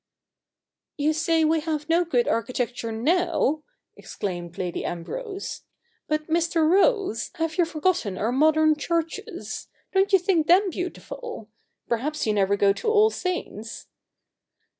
' You say we have no good architecture now !' ex claimed Lady Ambrose ;' but, Mr. Rose, have you forgotten our modern churches ? Don't you think them beautiful ? Perhaps you never go to All Saints'